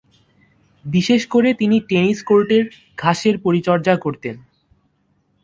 বিশেষ করে তিনি টেনিস কোর্টের ঘাসের পরিচর্যা করতেন।